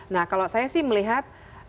nah kalau saya sih melihat memang tadi ya filipina